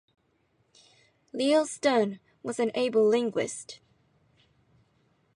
Leo Stern was an able linguist.